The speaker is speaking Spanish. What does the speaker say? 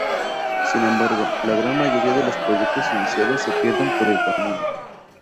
Sin embargo, la gran mayoría de los proyectos iniciados se pierden por el camino.